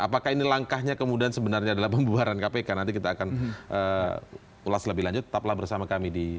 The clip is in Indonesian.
apakah ini langkahnya kemudian sebenarnya adalah pembuaran kpk